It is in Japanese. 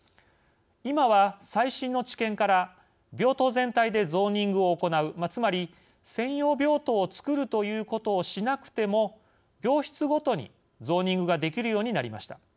今は最新の知見から病棟全体でゾーニングを行うつまり専用病棟をつくるということをしなくても病室ごとにゾーニングができるようになりました。